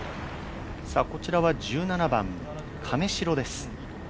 こちらは１７番、亀代です。